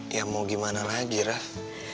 ya mau gimana lagi rah